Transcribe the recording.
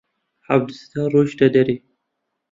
عەبدولستار ڕۆیشتە دەرێ.